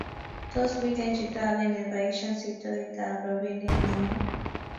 Tos, miten chito age nebaishen sitoitab robinik negung?